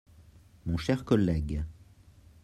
Mon cher collègue